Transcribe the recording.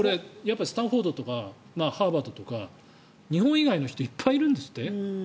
スタンフォードとかハーバードとか日本以外の人いっぱいいるんですって？